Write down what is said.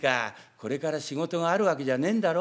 これから仕事があるわけじゃねえんだろ？」。